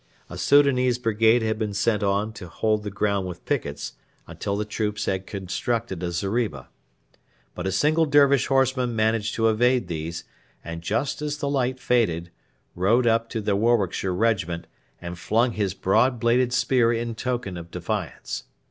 A Soudanese brigade had been sent on to hold the ground with pickets until the troops had constructed a zeriba. But a single Dervish horseman managed to evade these and, just as the light faded, rode up to the Warwickshire Regiment and flung his broad bladed spear in token of defiance.